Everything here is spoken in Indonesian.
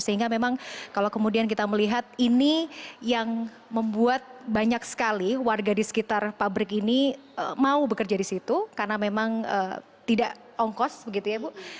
sehingga memang kalau kemudian kita melihat ini yang membuat banyak sekali warga di sekitar pabrik ini mau bekerja di situ karena memang tidak ongkos begitu ya bu